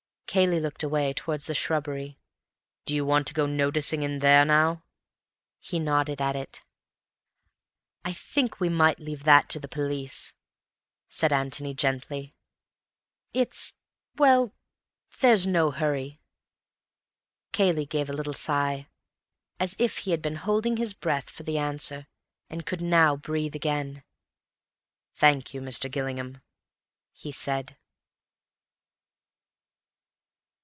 Cayley looked away—towards the shrubbery. "Do you want to go noticing in there now?" He nodded at it. "I think we might leave that to the police," said Antony gently. "It's—well, there's no hurry." Cayley gave a little sigh, as if he had been holding his breath for the answer, and could now breathe again. "Thank you, Mr. Gillingham," he said.